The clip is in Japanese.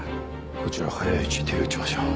こちらは早いうちに手を打ちましょう